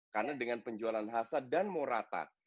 karena dengan penjualan hasa dan mau rata